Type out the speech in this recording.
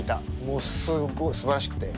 もうすごいすばらしくて。